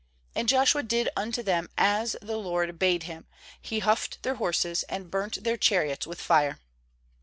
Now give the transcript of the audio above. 9And Joshua did unto them as the LORD bade him; he houghed their horses, and burnt then* chariots with fire.